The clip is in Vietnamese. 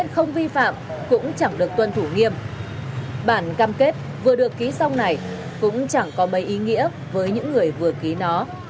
trước mắt là chúng ta vào cuộc chúng ta tuyên truyền điều tra cơ bản là tuyên truyền